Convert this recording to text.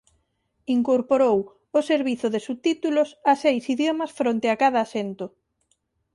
Incorporou o servizo de subtítulos a seis idiomas fronte a cada asento.